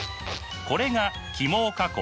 これが起毛加工。